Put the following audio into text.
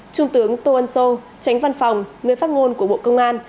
trung tướng tô ân sô tránh văn phòng người phát ngôn của bộ công an